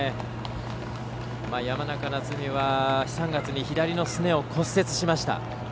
山中菜摘は３月に左のすねを骨折しました。